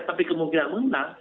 tapi kemungkinan menang